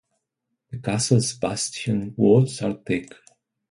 The castle's bastion walls are thick.